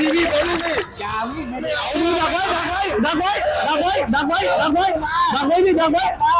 พี่พอลูกหน่อย